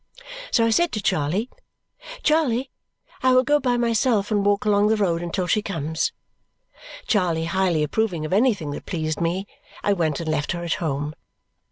So I said to Charley, "Charley, I will go by myself and walk along the road until she comes." Charley highly approving of anything that pleased me, I went and left her at home.